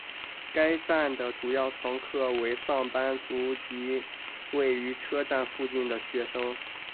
该站的主要乘客为上班族以及位于车站附近的的学生。